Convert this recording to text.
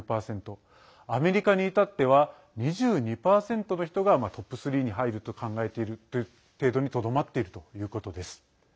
アメリカに至っては２２％の人がトップ３に入ると考えているという程度にとどまっているということです。